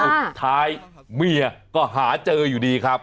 สุดท้ายเมียก็หาเจออยู่ดีครับ